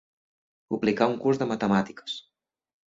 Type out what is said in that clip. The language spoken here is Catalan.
Publicar un curs de matemàtiques.